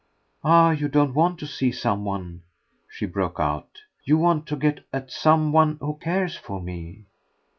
"Ah you do want to see some one!" she broke out. "You want to get at some one who cares for me."